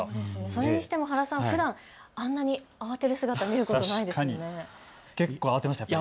それにしても原さん、あんなに慌てる姿見ることないんですよね。